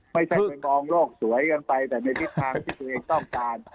ไม่ต้องไปมองโลกสวยกันไปแต่ในทิศทางที่ตัวเองต้องการ